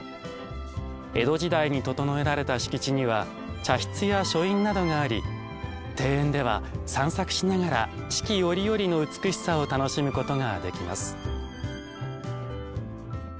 江戸時代に整えられた敷地には茶室や書院などがあり庭園では散策しながら四季折々の美しさを楽しむことができます。